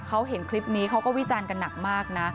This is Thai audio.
เขาเห็นคลิปนี้เขาก็วิจารณ์กันหนักมากนะ